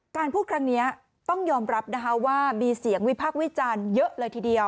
พูดครั้งนี้ต้องยอมรับนะคะว่ามีเสียงวิพากษ์วิจารณ์เยอะเลยทีเดียว